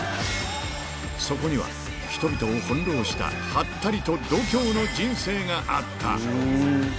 そこには、人々を翻弄したハッタリと度胸の人生があった。